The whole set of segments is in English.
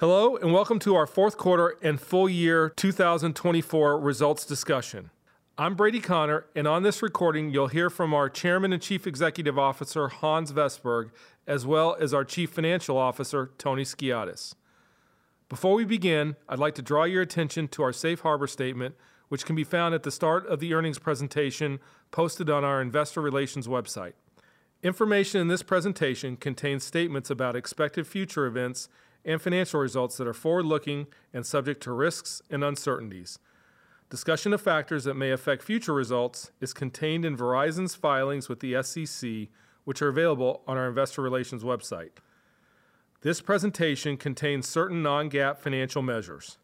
Hello and welcome to our fourth quarter and full year 2024 results discussion. I'm Brady Connor, and on this recording, you'll hear from our Chairman and Chief Executive Officer, Hans Vestberg, as well as our Chief Financial Officer, Tony Skiadas. Before we begin, I'd like to draw your attention to our Safe Harbor Statement, which can be found at the start of the earnings presentation posted on our Investor Relations website. Information in this presentation contains statements about expected future events and financial results that are forward-looking and subject to risks and uncertainties. Discussion of factors that may affect future results is contained in Verizon's filings with the SEC, which are available on our Investor Relations website. This presentation contains certain non-GAAP financial measures.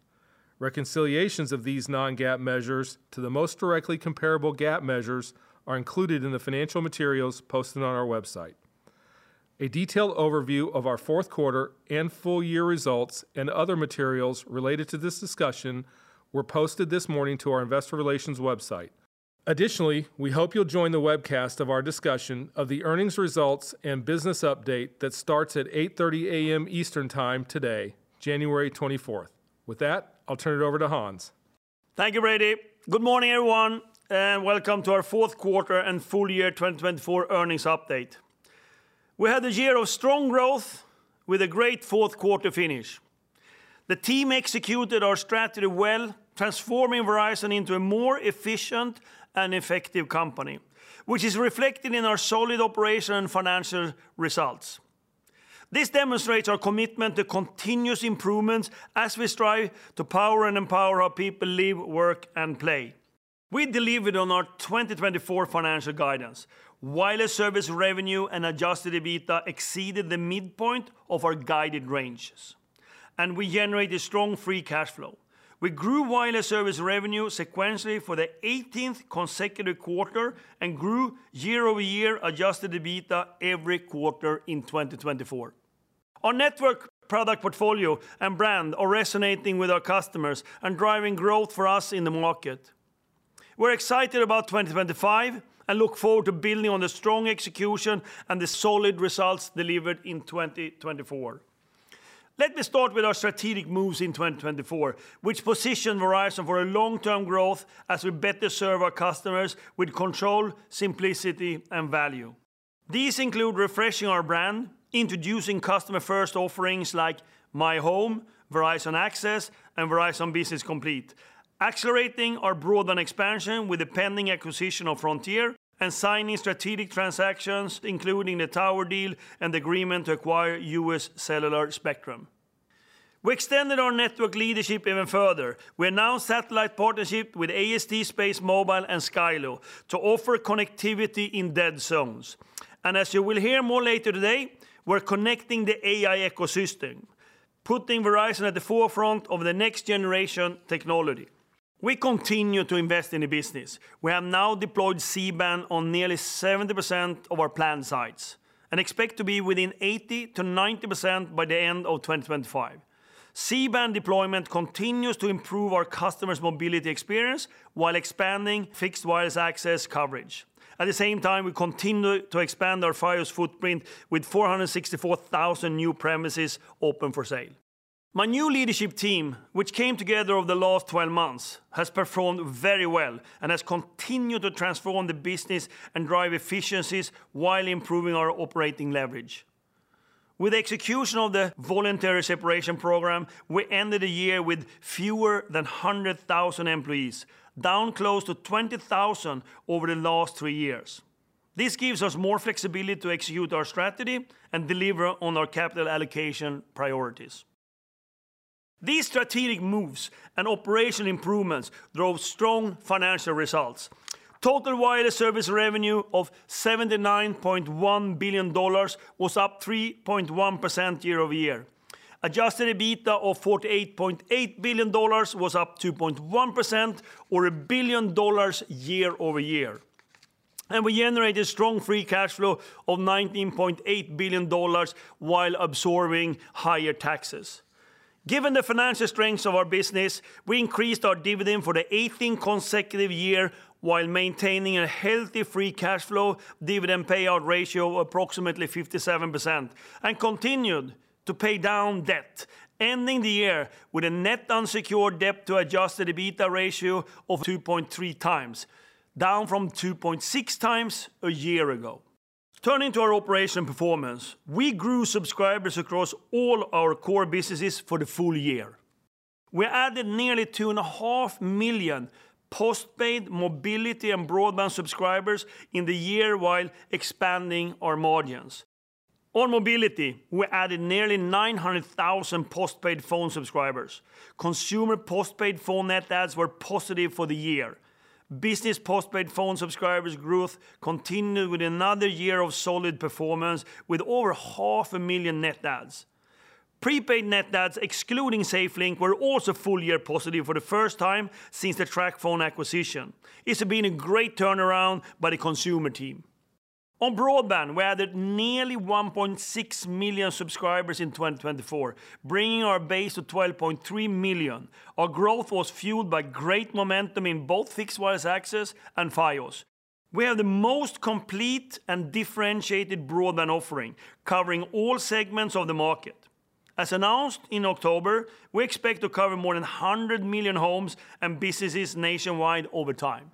Reconciliations of these non-GAAP measures to the most directly comparable GAAP measures are included in the financial materials posted on our website. A detailed overview of our fourth quarter and full year results and other materials related to this discussion were posted this morning to our Investor Relations website. Additionally, we hope you'll join the webcast of our discussion of the earnings results and business update that starts at 8:30 A.M. Eastern Time today, January 24th. With that, I'll turn it over to Hans. Thank you, Brady. Good morning, everyone, and welcome to our fourth quarter and full year 2024 earnings update. We had a year of strong growth with a great fourth quarter finish. The team executed our strategy well, transforming Verizon into a more efficient and effective company, which is reflected in our solid operational and financial results. This demonstrates our commitment to continuous improvements as we strive to empower our people, live, work, and play. We delivered on our 2024 financial guidance. Wireless service revenue and Adjusted EBITDA exceeded the midpoint of our guided ranges, and we generated strong Free cash flow. We grew wireless service revenue sequentially for the 18th consecutive quarter and grew year-over-year Adjusted EBITDA every quarter in 2024. Our network, product portfolio, and brand are resonating with our customers and driving growth for us in the market. We're excited about 2025 and look forward to building on the strong execution and the solid results delivered in 2024. Let me start with our strategic moves in 2024, which position Verizon for long-term growth as we better serve our customers with control, simplicity, and value. These include refreshing our brand, introducing customer-first offerings like myHome, Verizon Access, and Verizon Business Complete, accelerating our broadband expansion with the pending acquisition of Frontier, and signing strategic transactions including the Tower deal and the agreement to acquire U.S. Cellular spectrum. We extended our network leadership even further. We announced satellite partnerships with AST SpaceMobile and Skylo to offer connectivity in dead zones, and as you will hear more later today, we're connecting the AI ecosystem, putting Verizon at the forefront of the next generation technology. We continue to invest in the business. We have now deployed C-band on nearly 70% of our planned sites and expect to be within 80%-90% by the end of 2025. C-band deployment continues to improve our customers' mobility experience while expanding fixed wireless access coverage. At the same time, we continue to expand our Fios footprint with 464,000 new premises open for sale. My new leadership team, which came together over the last 12 months, has performed very well and has continued to transform the business and drive efficiencies while improving our operating leverage. With the execution of the voluntary separation program, we ended the year with fewer than 100,000 employees, down close to 20,000 over the last three years. This gives us more flexibility to execute our strategy and deliver on our capital allocation priorities. These strategic moves and operational improvements drove strong financial results. Total wireless service revenue of $79.1 billion was up 3.1% year-over-year. Adjusted EBITDA of $48.8 billion was up 2.1%, or a billion dollars year-over-year. And we generated strong free cash flow of $19.8 billion while absorbing higher taxes. Given the financial strength of our business, we increased our dividend for the 18th consecutive year while maintaining a healthy free cash flow dividend payout ratio of approximately 57% and continued to pay down debt, ending the year with a net unsecured debt to adjusted EBITDA ratio of 2.3x, down from 2.6x a year ago. Turning to our operational performance, we grew subscribers across all our core businesses for the full year. We added nearly 2.5 million postpaid mobility and broadband subscribers in the year while expanding our margins. On mobility, we added nearly 900,000 postpaid phone subscribers. Consumer postpaid phone net adds were positive for the year. Business postpaid phone subscribers' growth continued with another year of solid performance with over 500,000 net adds. Prepaid net adds, excluding SafeLink, were also full year positive for the first time since the TracFone acquisition. It's been a great turnaround by the Consumer team. On broadband, we added nearly 1.6 million subscribers in 2024, bringing our base to 12.3 million. Our growth was fueled by great momentum in both fixed wireless access and Fios. We have the most complete and differentiated broadband offering, covering all segments of the market. As announced in October, we expect to cover more than 100 million homes and businesses nationwide over time.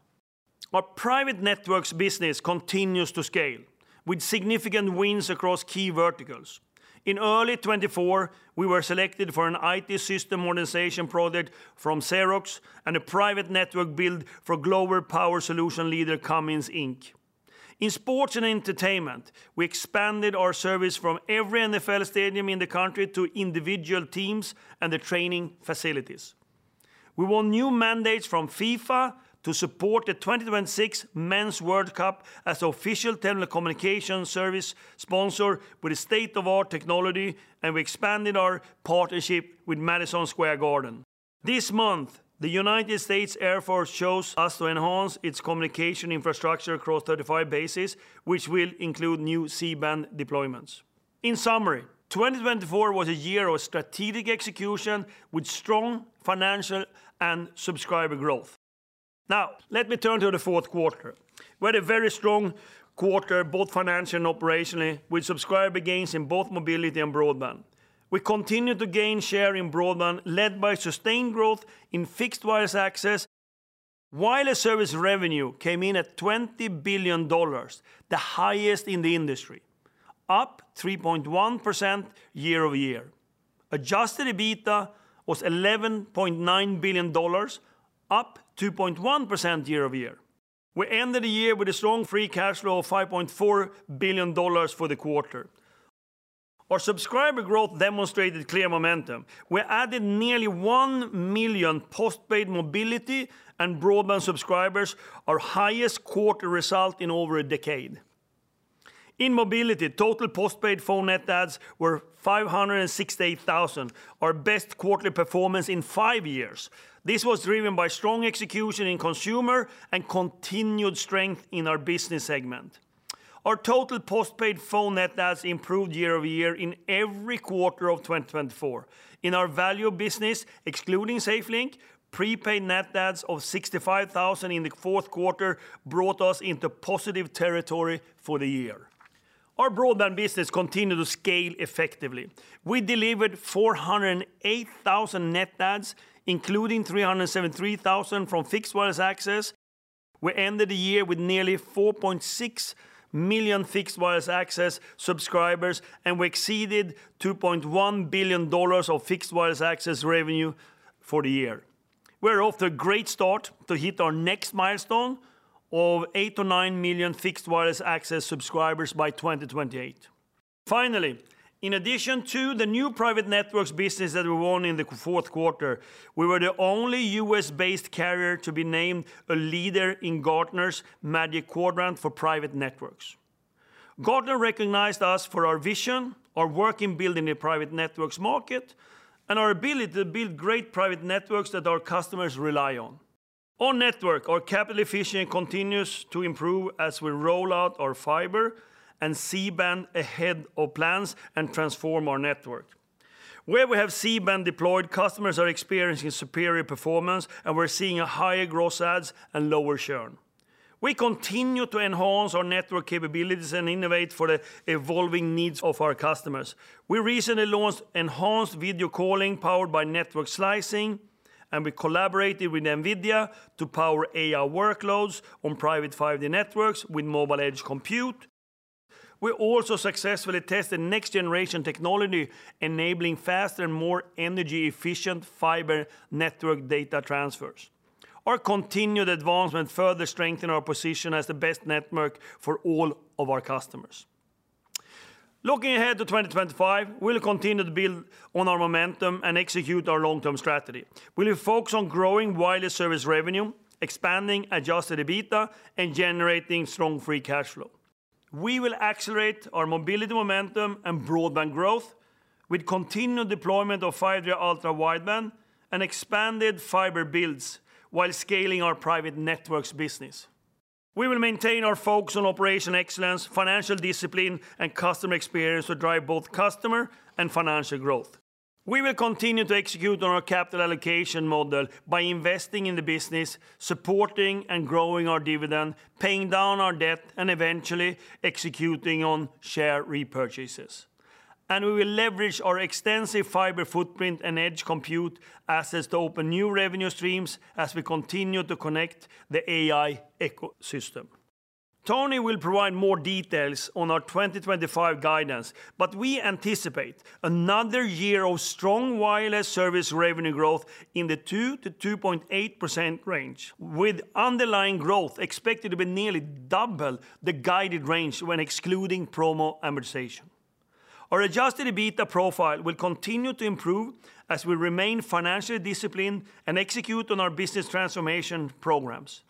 Our private networks business continues to scale, with significant wins across key verticals. In early 2024, we were selected for an IT system modernization project from Xerox and a private network build for global power solutions leader Cummins Inc. In sports and entertainment, we expanded our service from every NFL stadium in the country to individual teams and the training facilities. We won new mandates from FIFA to support the 2026 Men's World Cup as the official telecommunications service sponsor with state-of-the-art technology, and we expanded our partnership with Madison Square Garden. This month, the United States Air Force chose us to enhance its communication infrastructure across 35 bases, which will include new C-band deployments. In summary, 2024 was a year of strategic execution with strong financial and subscriber growth. Now, let me turn to the fourth quarter. We had a very strong quarter, both financially and operationally, with subscriber gains in both mobility and broadband. We continue to gain share in broadband, led by sustained growth in fixed wireless access. Wireless service revenue came in at $20 billion, the highest in the industry, up 3.1% year-over-year. Adjusted EBITDA was $11.9 billion, up 2.1% year-over-year. We ended the year with a strong free cash flow of $5.4 billion for the quarter. Our subscriber growth demonstrated clear momentum. We added nearly 1 million postpaid mobility and broadband subscribers, our highest quarter result in over a decade. In mobility, total postpaid phone net adds were 568,000, our best quarterly performance in five years. This was driven by strong execution in consumer and continued strength in our Business segment. Our total postpaid phone net adds improved year-over-year in every quarter of 2024. In our Value business, excluding SafeLink, prepaid net adds of 65,000 in the fourth quarter brought us into positive territory for the year. Our broadband business continued to scale effectively. We delivered 408,000 net adds, including 373,000 from fixed wireless access. We ended the year with nearly 4.6 million fixed wireless access subscribers, and we exceeded $2.1 billion of fixed wireless access revenue for the year. We're off to a great start to hit our next milestone of 8-9 million fixed wireless access subscribers by 2028. Finally, in addition to the new private networks business that we won in the fourth quarter, we were the only U.S.-based carrier to be named a leader in Gartner's Magic Quadrant for private networks. Gartner recognized us for our vision, our work in building the private networks market, and our ability to build great private networks that our customers rely on. On network, our capital efficiency continues to improve as we roll out our fiber and C-band ahead of plans and transform our network. Where we have C-band deployed, customers are experiencing superior performance, and we're seeing higher gross adds and lower churn. We continue to enhance our network capabilities and innovate for the evolving needs of our customers. We recently launched enhanced video calling powered by Network slicing, and we collaborated with NVIDIA to power AI workloads on private 5G networks with Mobile Edge Compute. We also successfully tested next-generation technology, enabling faster and more energy-efficient fiber network data transfers. Our continued advancement further strengthens our position as the best network for all of our customers. Looking ahead to 2025, we'll continue to build on our momentum and execute our long-term strategy. We'll focus on growing wireless service revenue, expanding adjusted EBITDA, and generating strong free cash flow. We will accelerate our mobility momentum and broadband growth with continued deployment of 5G Ultra Wideband and expanded fiber builds while scaling our private networks business. We will maintain our focus on operational excellence, financial discipline, and customer experience to drive both customer and financial growth. We will continue to execute on our capital allocation model by investing in the business, supporting and growing our dividend, paying down our debt, and eventually executing on share repurchases. We will leverage our extensive fiber footprint and edge compute assets to open new revenue streams as we continue to connect the AI ecosystem. Tony will provide more details on our 2025 guidance, but we anticipate another year of strong wireless service revenue growth in the 2%-2.8% range, with underlying growth expected to be nearly double the guided range when excluding promo amortization. Our Adjusted EBITDA profile will continue to improve as we remain financially disciplined and execute on our business transformation programs.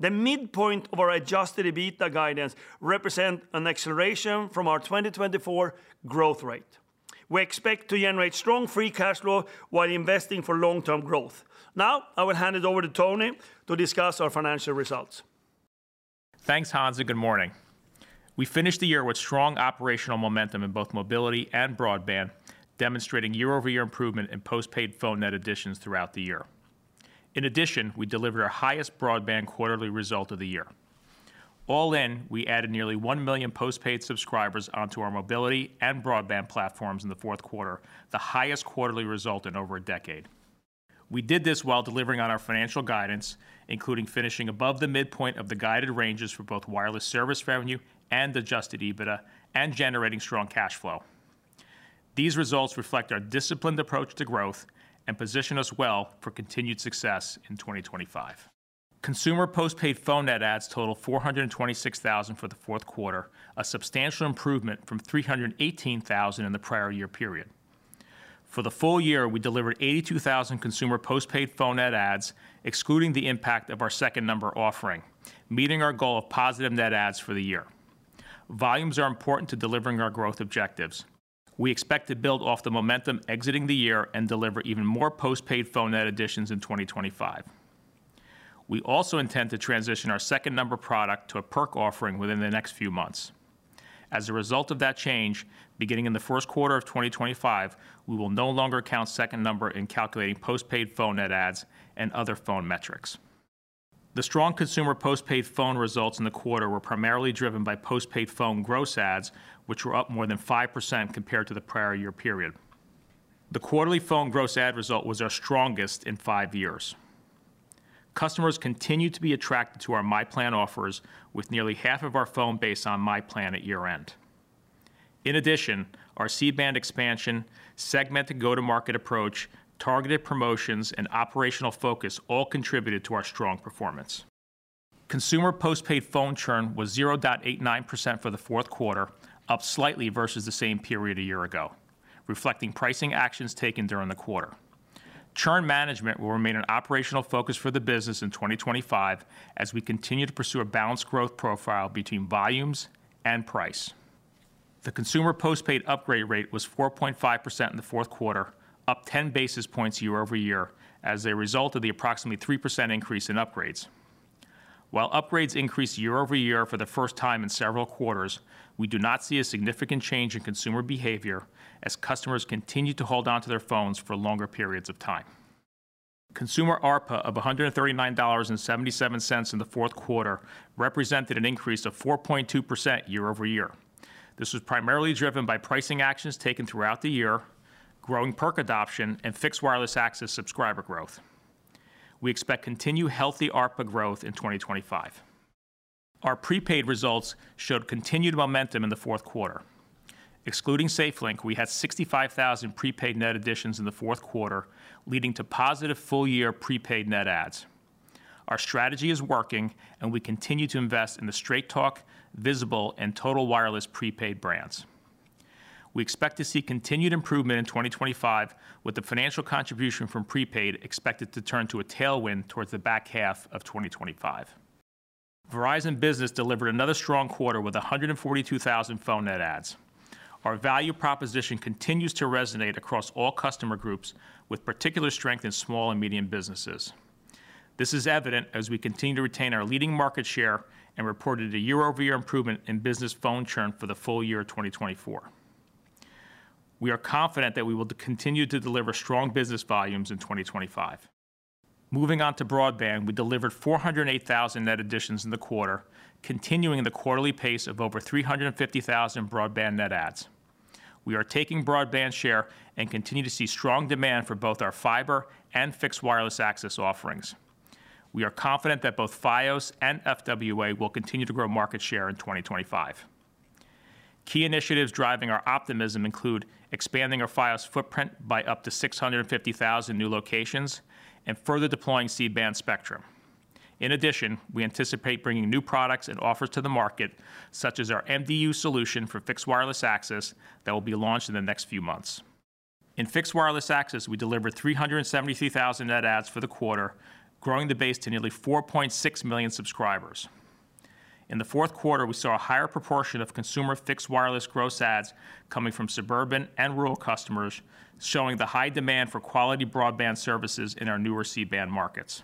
The midpoint of our Adjusted EBITDA guidance represents an acceleration from our 2024 growth rate. We expect to generate strong free cash flow while investing for long-term growth. Now, I will hand it over to Tony to discuss our financial results. Thanks, Hans. Good morning. We finished the year with strong operational momentum in both mobility and broadband, demonstrating year-over-year improvement in postpaid phone net additions throughout the year. In addition, we delivered our highest broadband quarterly result of the year. All in, we added nearly 1 million postpaid subscribers onto our mobility and broadband platforms in the fourth quarter, the highest quarterly result in over a decade. We did this while delivering on our financial guidance, including finishing above the midpoint of the guided ranges for both wireless service revenue and Adjusted EBITDA, and generating strong cash flow. These results reflect our disciplined approach to growth and position us well for continued success in 2025. Consumer postpaid phone net adds totaled 426,000 for the fourth quarter, a substantial improvement from 318,000 in the prior year period. For the full year, we delivered 82,000 consumer postpaid phone net adds, excluding the impact of our second number offering, meeting our goal of positive net adds for the year. Volumes are important to delivering our growth objectives. We expect to build off the momentum exiting the year and deliver even more postpaid phone net additions in 2025. We also intend to transition our second number product to a perk offering within the next few months. As a result of that change, beginning in the first quarter of 2025, we will no longer count second number in calculating postpaid phone net adds and other phone metrics. The strong consumer postpaid phone results in the quarter were primarily driven by postpaid phone gross adds, which were up more than 5% compared to the prior year period. The quarterly phone gross add result was our strongest in five years. Customers continue to be attracted to our MyPlan offers, with nearly half of our phone base on MyPlan at year-end. In addition, our C-band expansion, segmented go-to-market approach, targeted promotions, and operational focus all contributed to our strong performance. Consumer postpaid phone churn was 0.89% for the fourth quarter, up slightly versus the same period a year ago, reflecting pricing actions taken during the quarter. Churn management will remain an operational focus for the business in 2025 as we continue to pursue a balanced growth profile between volumes and price. The consumer postpaid upgrade rate was 4.5% in the fourth quarter, up 10 basis points year-over-year as a result of the approximately 3% increase in upgrades. While upgrades increased year-over-year for the first time in several quarters, we do not see a significant change in consumer behavior as customers continue to hold on to their phones for longer periods of time. Consumer ARPA of $139.77 in the fourth quarter represented an increase of 4.2% year-over-year. This was primarily driven by pricing actions taken throughout the year, growing perk adoption, and fixed wireless access subscriber growth. We expect continued healthy ARPA growth in 2025. Our prepaid results showed continued momentum in the fourth quarter. Excluding SafeLink, we had 65,000 prepaid net additions in the fourth quarter, leading to positive full-year prepaid net adds. Our strategy is working, and we continue to invest in the Straight Talk, Visible, and Total Wireless prepaid brands. We expect to see continued improvement in 2025, with the financial contribution from prepaid expected to turn to a tailwind towards the back half of 2025. Verizon Business delivered another strong quarter with 142,000 phone net adds. Our value proposition continues to resonate across all customer groups, with particular strength in small and medium businesses. This is evident as we continue to retain our leading market share and reported a year-over-year improvement in business phone churn for the full year of 2024. We are confident that we will continue to deliver strong business volumes in 2025. Moving on to broadband, we delivered 408,000 net additions in the quarter, continuing the quarterly pace of over 350,000 broadband net adds. We are taking broadband share and continue to see strong demand for both our fiber and fixed wireless access offerings. We are confident that both Fios and FWA will continue to grow market share in 2025. Key initiatives driving our optimism include expanding our Fios footprint by up to 650,000 new locations and further deploying C-band spectrum. In addition, we anticipate bringing new products and offers to the market, such as our MDU solution for fixed wireless access that will be launched in the next few months. In fixed wireless access, we delivered 373,000 net adds for the quarter, growing the base to nearly 4.6 million subscribers. In the fourth quarter, we saw a higher proportion of consumer fixed wireless gross adds coming from suburban and rural customers, showing the high demand for quality broadband services in our newer C-band markets.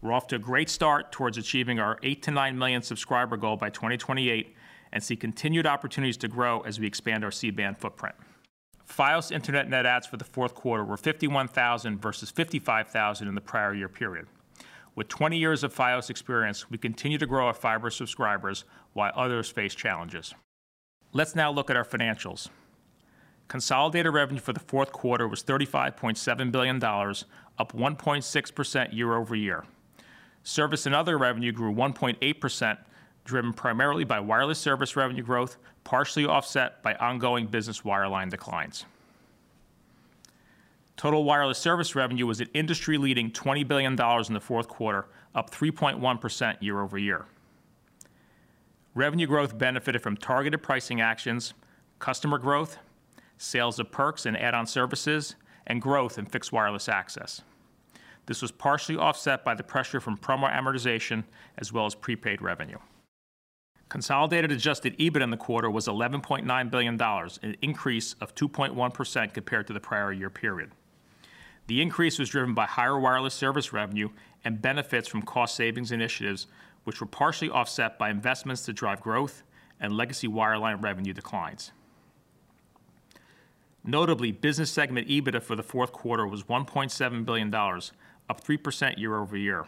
We're off to a great start towards achieving our 8-9 million subscriber goal by 2028 and see continued opportunities to grow as we expand our C-band footprint. Fios internet net adds for the fourth quarter were 51,000 versus 55,000 in the prior year period. With 20 years of Fios experience, we continue to grow our fiber subscribers while others face challenges. Let's now look at our financials. Consolidated revenue for the fourth quarter was $35.7 billion, up 1.6% year-over-year. Service and other revenue grew 1.8%, driven primarily by wireless service revenue growth, partially offset by ongoing business wireline declines. Total wireless service revenue was an industry-leading $20 billion in the fourth quarter, up 3.1% year-over-year. Revenue growth benefited from targeted pricing actions, customer growth, sales of perks and add-on services, and growth in Fixed Wireless Access. This was partially offset by the pressure from promo amortization as well as prepaid revenue. Consolidated adjusted EBITDA in the quarter was $11.9 billion, an increase of 2.1% compared to the prior year period. The increase was driven by higher wireless service revenue and benefits from cost savings initiatives, which were partially offset by investments to drive growth and legacy wireline revenue declines. Notably, Business segment EBITDA for the fourth quarter was $1.7 billion, up 3% year-over-year.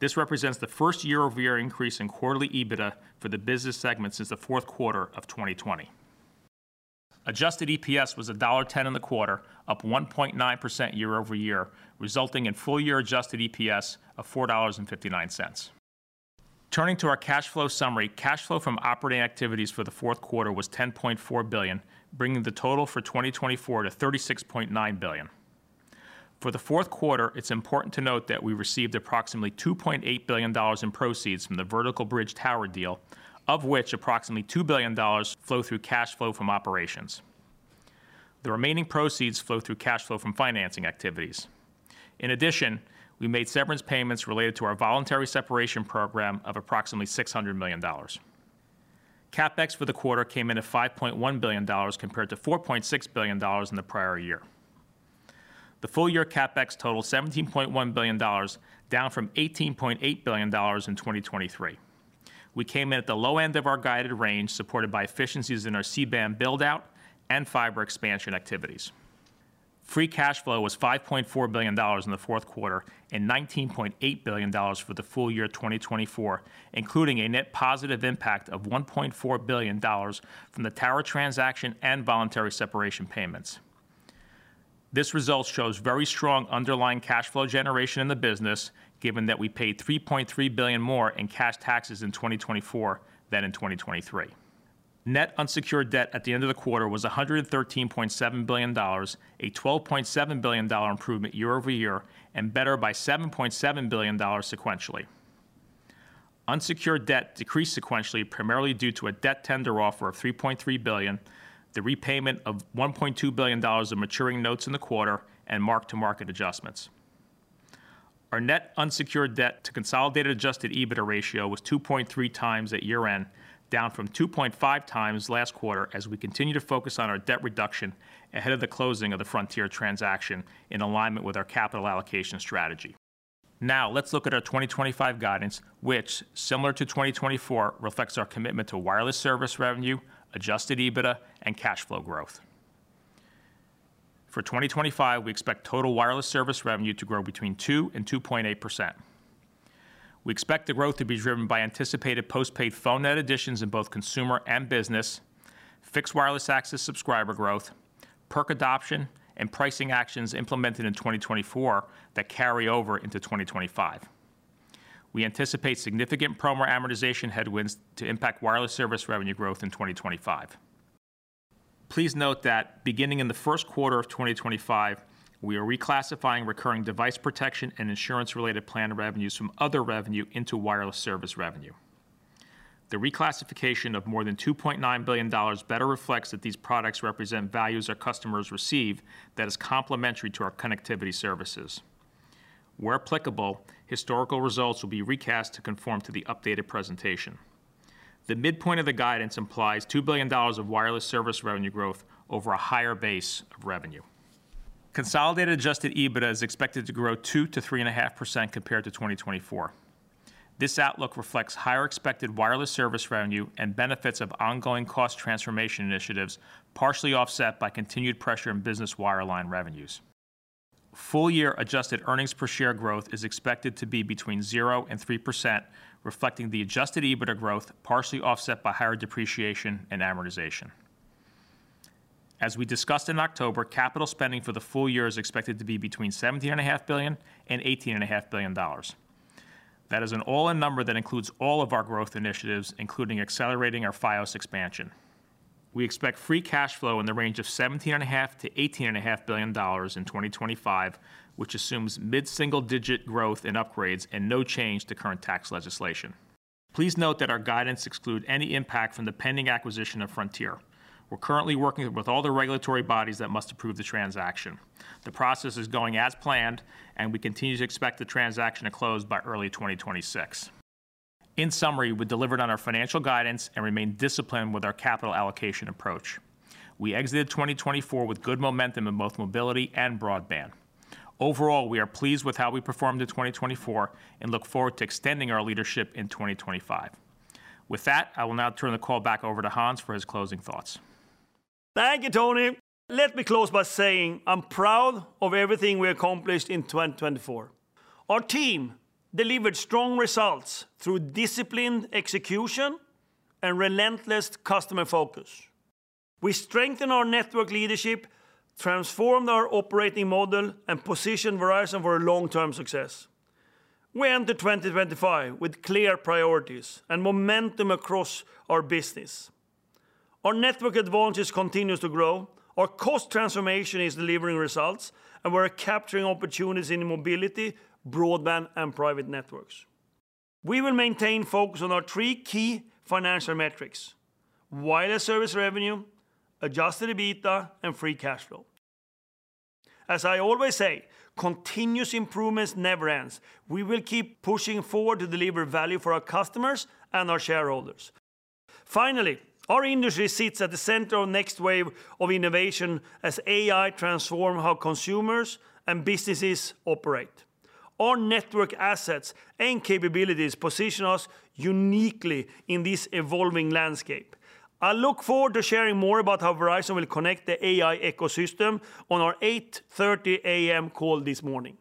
This represents the first year-over-year increase in quarterly EBITDA for the business segment since the fourth quarter of 2020. Adjusted EPS was $1.10 in the quarter, up 1.9% year-over-year, resulting in full-year adjusted EPS of $4.59. Turning to our cash flow summary, cash flow from operating activities for the fourth quarter was $10.4 billion, bringing the total for 2024 to $36.9 billion. For the fourth quarter, it's important to note that we received approximately $2.8 billion in proceeds from the Vertical Bridge tower deal, of which approximately $2 billion flowed through cash flow from operations. The remaining proceeds flowed through cash flow from financing activities. In addition, we made severance payments related to our voluntary separation program of approximately $600 million. CapEx for the quarter came in at $5.1 billion compared to $4.6 billion in the prior year. The full-year CapEx totaled $17.1 billion, down from $18.8 billion in 2023. We came in at the low end of our guided range, supported by efficiencies in our C-band build-out and fiber expansion activities. Free cash flow was $5.4 billion in the fourth quarter and $19.8 billion for the full year of 2024, including a net positive impact of $1.4 billion from the tower transaction and voluntary separation payments. This result shows very strong underlying cash flow generation in the business, given that we paid $3.3 billion more in cash taxes in 2024 than in 2023. Net unsecured debt at the end of the quarter was $113.7 billion, a $12.7 billion improvement year-over-year, and better by $7.7 billion sequentially. Unsecured debt decreased sequentially, primarily due to a debt tender offer of $3.3 billion, the repayment of $1.2 billion of maturing notes in the quarter, and mark-to-market adjustments. Our net unsecured debt to consolidated Adjusted EBITDA ratio was 2.3x at year-end, down from 2.5x last quarter as we continue to focus on our debt reduction ahead of the closing of the Frontier transaction in alignment with our capital allocation strategy. Now, let's look at our 2025 guidance, which, similar to 2024, reflects our commitment to wireless service revenue, Adjusted EBITDA, and cash flow growth. For 2025, we expect total wireless service revenue to grow between 2% and 2.8%. We expect the growth to be driven by anticipated postpaid phone net additions in both consumer and business, fixed wireless access subscriber growth, perk adoption, and pricing actions implemented in 2024 that carry over into 2025. We anticipate significant promo amortization headwinds to impact wireless service revenue growth in 2025. Please note that, beginning in the first quarter of 2025, we are reclassifying recurring device protection and insurance-related plan revenues from other revenue into wireless service revenue. The reclassification of more than $2.9 billion better reflects that these products represent values our customers receive that is complementary to our connectivity services. Where applicable, historical results will be recast to conform to the updated presentation. The midpoint of the guidance implies $2 billion of wireless service revenue growth over a higher base of revenue. Consolidated adjusted EBITDA is expected to grow 2%-3.5% compared to 2024. This outlook reflects higher expected wireless service revenue and benefits of ongoing cost transformation initiatives, partially offset by continued pressure in business wireline revenues. Full-year adjusted earnings per share growth is expected to be between 0% and 3%, reflecting the adjusted EBITDA growth, partially offset by higher depreciation and amortization. As we discussed in October, capital spending for the full year is expected to be between $17.5 billion and $18.5 billion. That is an all-in number that includes all of our growth initiatives, including accelerating our Fios expansion. We expect free cash flow in the range of $17.5-$18.5 billion in 2025, which assumes mid-single-digit growth and upgrades and no change to current tax legislation. Please note that our guidance excludes any impact from the pending acquisition of Frontier. We're currently working with all the regulatory bodies that must approve the transaction. The process is going as planned, and we continue to expect the transaction to close by early 2026. In summary, we delivered on our financial guidance and remained disciplined with our capital allocation approach. We exited 2024 with good momentum in both mobility and broadband. Overall, we are pleased with how we performed in 2024 and look forward to extending our leadership in 2025. With that, I will now turn the call back over to Hans for his closing thoughts. Thank you, Tony. Let me close by saying I'm proud of everything we accomplished in 2024. Our team delivered strong results through disciplined execution and relentless customer focus. We strengthened our network leadership, transformed our operating model, and positioned Verizon for long-term success. We entered 2025 with clear priorities and momentum across our business. Our network advantage continues to grow, our cost transformation is delivering results, and we're capturing opportunities in mobility, broadband, and private networks. We will maintain focus on our three key financial metrics: wireless service revenue, adjusted EBITDA, and free cash flow. As I always say, continuous improvement never ends. We will keep pushing forward to deliver value for our customers and our shareholders. Finally, our industry sits at the center of the next wave of innovation as AI transforms how consumers and businesses operate. Our network assets and capabilities position us uniquely in this evolving landscape. I look forward to sharing more about how Verizon will connect the AI ecosystem on our 8:30 A.M. call this morning.